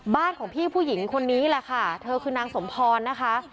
บ้านของพี่ผู้หญิงคนนี้แหละค่ะเธอคือนางสมพรนะคะ